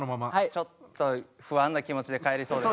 ちょっと不安な気持ちで帰りそうです。